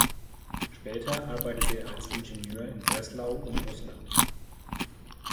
Später arbeitete er als Ingenieur in Breslau und Russland.